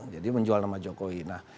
jadi menjual nama jokowi